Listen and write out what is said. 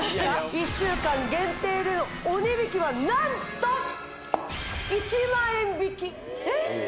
１週間限定でのお値引きは何と１００００円引きえっ！？